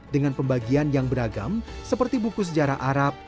dengan pembagian yang beragam seperti buku sejarah arab